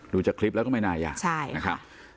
ดูจากคลิปแล้วก็หมายนายอยากใช่นะคะ